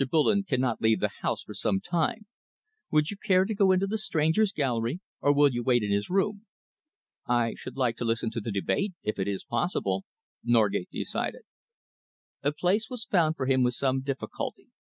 Bullen cannot leave the House for some time. Would you care to go into the Strangers' Gallery, or will you wait in his room?" "I should like to listen to the debate, if it is possible," Norgate decided. A place was found for him with some difficulty.